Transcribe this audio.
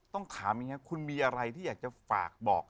ต้องถามอย่างนี้ครับคุณมีอะไรที่อยากจะฝากบอก